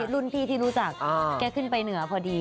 รุ่นพี่ที่รู้จักแกขึ้นไปเหนือพอดี